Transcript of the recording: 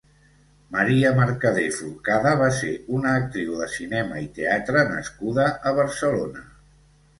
Maria Mercader Forcada va ser una actriu de cinema i teatre nascuda a Barcelona.